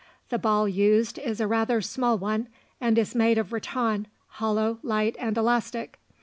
The ball used is a rather small one, and is made of rattan, hollow, light, and elastic.